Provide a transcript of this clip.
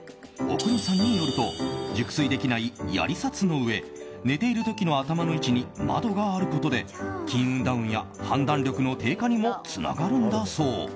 阿国さんによると熟睡できない槍殺のうえ寝ている時の頭の位置に窓があることで金運ダウンや判断力の低下にもつながるんだそう。